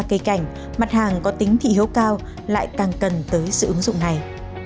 cây cảnh mặt hàng có tính thị hiếu cao lại càng cần tới sự ứng dụng này